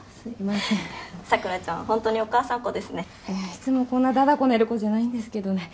いつもこんな駄々こねる子じゃないんですけどね。